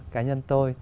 cá nhân tôi